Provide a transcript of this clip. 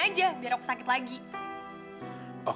kau mau ngapain